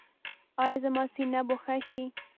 ایا زما سینه به ښه شي؟